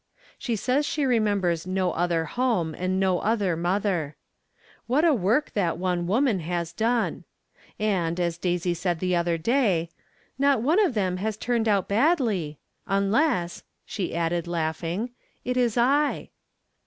She says she remembers no other home, and no other mother. What a work that one woman has done ! And, as Daisy said the other day, "Not one of them has turned out badly — unless," she added, laughing, "it is I."